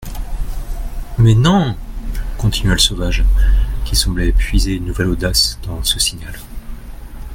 Mais non ! continua le sauvage, qui semblait puiser une nouvelle audace dans ce signal.